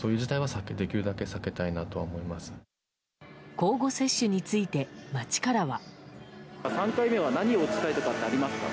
交互接種について、街からは。